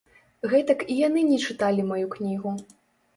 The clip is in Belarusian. Гэтак і яны не чыталі маю кнігу.